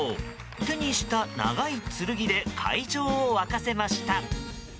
手にした長い剣で会場を沸かせました。